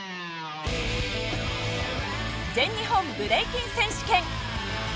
全日本ブレイキン選手権。